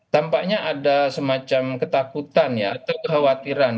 tampaknya ada semacam ketakutan ya atau kekhawatiran